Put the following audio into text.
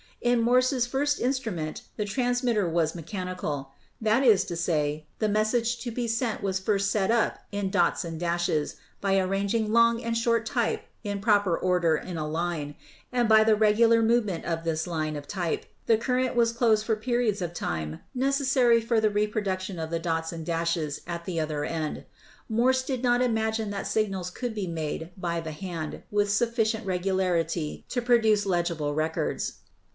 In Morse's first instrument the 'transmitter' was mechanical ; that is to say, the message to be sent was first "set up" in "dots and dashes" by arranging long and short type in proper order in a line, and by the regular movement of this line of type the circuit was closed for periods of time necessary to the reproduction of the dots and dashes at the other end. Morse did not imagine that signals could be made by the hand with sufficient regular ity to produce legible records.